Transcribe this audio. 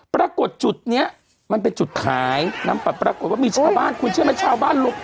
ปรากฏจุดนี้มันเป็นจุดขายน้ำปัดปรากฏว่ามีชาวบ้านคุณเชื่อไหมชาวบ้านลบ